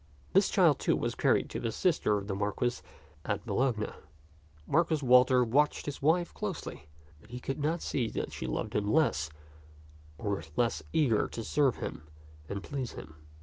This child, too, was carried to the sister of the Marquis at Bologna. Marquis Walter watched his wife closely, but he could not see that she loved him less or was less eager to serve him and please him.